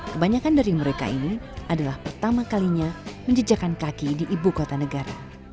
kebanyakan dari mereka ini adalah pertama kalinya menjejakan kaki di ibu kota negara